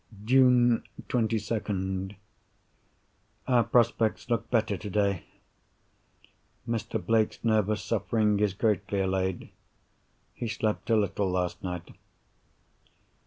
June 22nd.—Our prospects look better today. Mr. Blake's nervous suffering is greatly allayed. He slept a little last night.